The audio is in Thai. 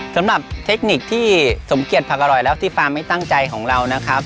สำหรับเทคนิคที่สมเกียจผักอร่อยแล้วที่ฟาร์มไม่ตั้งใจของเรานะครับ